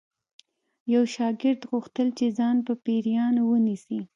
یو شاګرد غوښتل چې ځان په پیریانو ونیسي